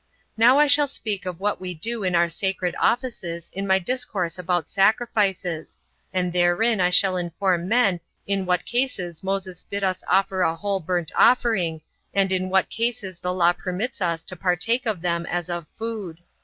Now I shall speak of what we do in our sacred offices in my discourse about sacrifices; and therein shall inform men in what cases Moses bid us offer a whole burnt offering, and in what cases the law permits us to partake of them as of food.